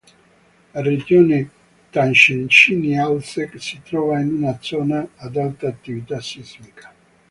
La regione Tatshenshini-Alsek si trova in una zona ad alta attività sismica.